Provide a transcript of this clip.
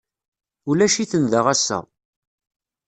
Ulac-iten da ass-a.